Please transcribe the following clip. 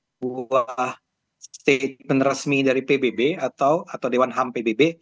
sebuah statement resmi dari pbb atau dewan ham pbb